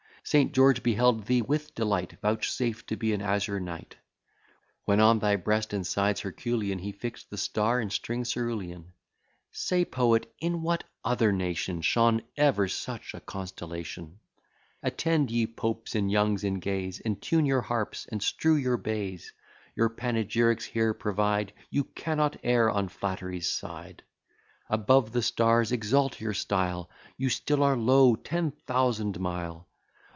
St. George beheld thee with delight, Vouchsafe to be an azure knight, When on thy breast and sides Herculean, He fix'd the star and string cerulean. Say, poet, in what other nation Shone ever such a constellation! Attend, ye Popes, and Youngs, and Gays, And tune your harps, and strew your bays: Your panegyrics here provide; You cannot err on flattery's side. Above the stars exalt your style, You still are low ten thousand mile.